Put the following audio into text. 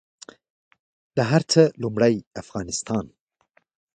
د هر څه لومړۍ افغانستان